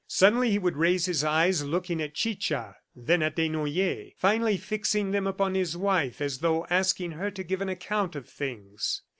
Suddenly he would raise his eyes, looking at Chicha, then at Desnoyers, finally fixing them upon his wife as though asking her to give an account of things.